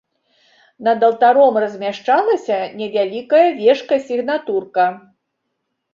Над алтаром размяшчалася невялікая вежка-сігнатурка.